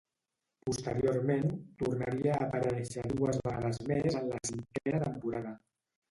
Posteriorment, tornaria a aparèixer dues vegades més en la cinquena temporada.